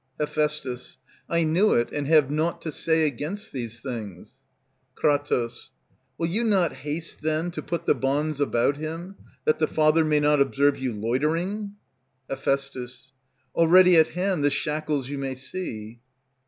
Heph. I knew it, and have naught to say against these things. Kr. Will you not haste, then, to put the bonds about him, That the Father may not observe you loitering? Heph. Already at hand the shackles you may see.